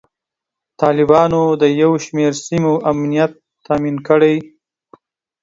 طالبانو د یو شمیر سیمو امنیت تامین کړی.